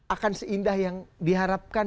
akan seindah yang diharapkan